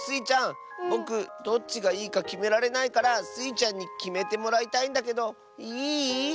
ちゃんぼくどっちがいいかきめられないからスイちゃんにきめてもらいたいんだけどいい？